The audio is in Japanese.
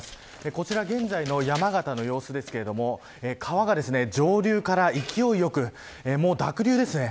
こちら現在の山形の様子ですが川が上流から勢いよくもう濁流ですね。